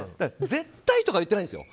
絶対とかは言ってないんですよ。